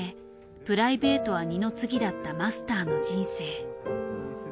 プライベートは二の次だったマスターの人生。